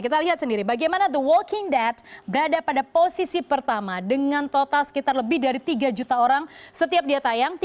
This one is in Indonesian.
kita lihat sendiri bagaimana the walking that berada pada posisi pertama dengan total sekitar lebih dari tiga juta orang setiap dia tayang